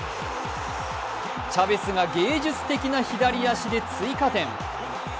チャベスが芸術的な左足で追加点。